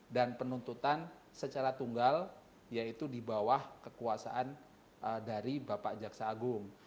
dan penuntutan secara tunggal yaitu di bawah kekuasaan dari bapak jaksa agung